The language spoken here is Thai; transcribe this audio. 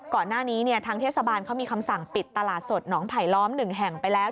ก่อนหน้านี้ทางเทศบาลเขามีคำสั่งปิดตลาดสดหนองไผลล้อม๑แห่งไปแล้ว